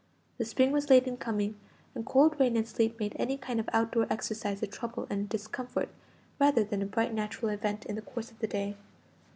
The spring was late in coming, and cold rain and sleet made any kind of out door exercise a trouble and discomfort rather than a bright natural event in the course of the day.